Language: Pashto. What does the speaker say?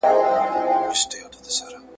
زه هره ورځ د سبا لپاره د يادښتونه ترتيب کوم.